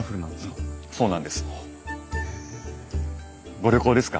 ご旅行ですか？